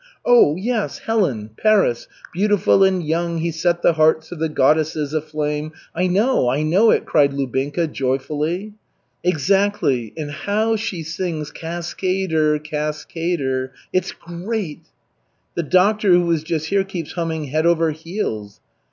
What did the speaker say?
"Oh, yes Helen Paris 'Beautiful and young; he set the hearts of the goddesses aflame ' I know, I know it," cried Lubinka joyfully. "Exactly. And how she sings 'Cas ca ader, ca as cader.' It's great." "The doctor who was just here keeps humming '_Head over heels.